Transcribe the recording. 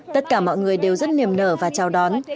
tất cả mọi người đều rất niềm nở và chào đón